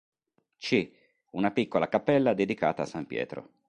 C. una piccola cappella dedicata a san Pietro.